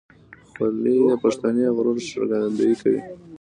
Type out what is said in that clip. خولۍ د پښتني غرور ښکارندویي کوي.